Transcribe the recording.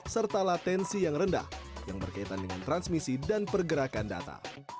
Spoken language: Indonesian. serta latensi yang rendah yang berkaitan dengan transmisi dan pergerakan data